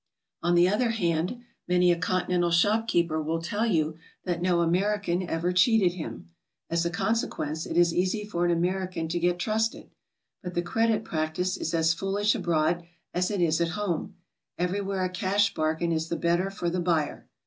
On the other hand, many a Continental shop keeper will tell you that no American ever cheated him. As a conse quence it is easy for an American to get trusted. But the credit practice is as foolish abroad as it is at home; every where a cash bargain is the better for the Buyer.